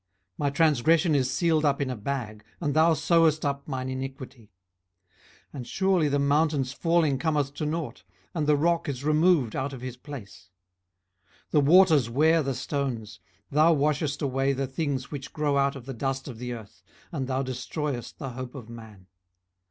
18:014:017 My transgression is sealed up in a bag, and thou sewest up mine iniquity. 18:014:018 And surely the mountains falling cometh to nought, and the rock is removed out of his place. 18:014:019 The waters wear the stones: thou washest away the things which grow out of the dust of the earth; and thou destroyest the hope of man.